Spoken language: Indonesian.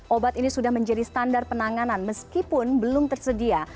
obat ini sudah menjadi standar penanganan meskipun belum tersedia